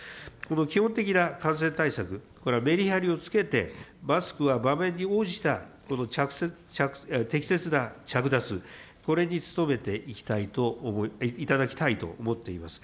基本的な感染対策、メリハリをつけて、マスクは場面に応じた適切な着脱、これに努めていただきたいと思っています。